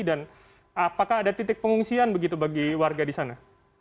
dan apakah ada titik pengungsian begitu bagi warga di sana